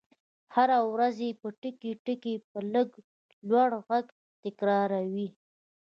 هره ورځ يې ټکي په ټکي په لږ لوړ غږ تکراروئ.